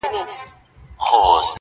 د مکار دښمن په کور کي به غوغا سي؛